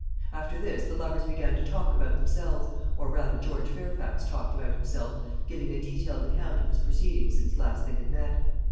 After this the lovers began to talk about themselves, or rather George Fairfax talked about himself, giving a detailed account of his proceedings since last they had met.